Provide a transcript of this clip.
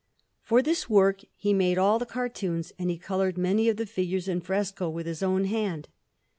For this work he made all the cartoons, and he coloured many of the figures in fresco with his own hand.